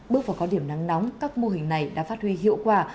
bước vào cao điểm nắng nóng các mô hình này đã phát huy hiệu quả